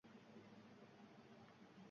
Suydigimning lablari shirin –